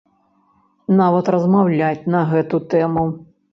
Нават размаўляць на гэту тэму.